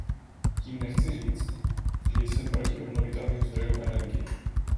Tím nechci říci, že jsem proti obnovitelným zdrojům energie.